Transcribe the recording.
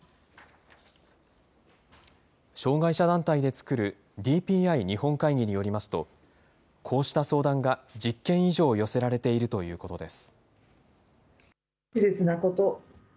障害者団体で作るＤＰＩ日本会議によりますと、こうした相談が１０件以上寄せられているということです。